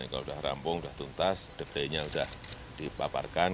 kalau sudah rampung sudah tuntas detailnya sudah dipaparkan